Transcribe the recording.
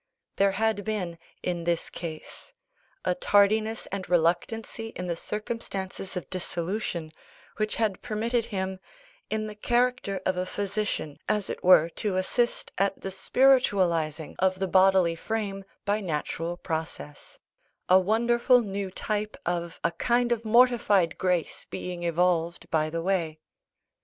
There had been, in this case, a tardiness and reluctancy in the circumstances of dissolution, which had permitted him, in the character of a physician, as it were to assist at the spiritualising of the bodily frame by natural process; a wonderful new type of a kind of mortified grace being evolved by the way.